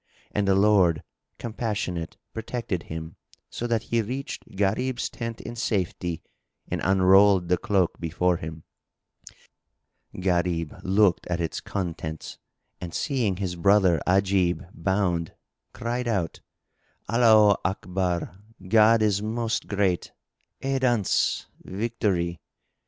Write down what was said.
And the Lord, the Compassionate, protected him, so that he reached Gharib's tent in safety and unrolled the cloak before him. Gharib looked at its contents and seeing his brother Ajib bound, cried out, "Allaho Akbar—God is Most Great! Aidance! Victory!"